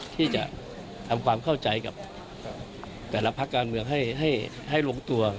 ที่จะทำความเข้าใจกับแต่ละพักการเมืองให้ลงตัว